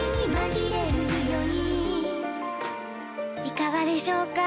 いかがでしょうか？